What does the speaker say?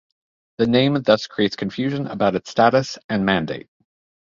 The name thus creates confusion about its status and mandate.